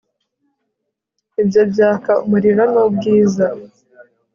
ibyo byaka umuriro n'ubwiza